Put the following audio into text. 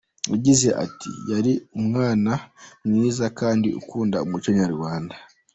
Yagize ati “Yari umwana mwiza kandi ukunda umuco nyarwanda.